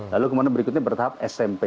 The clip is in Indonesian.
lalu kemudian berikutnya bertahap smp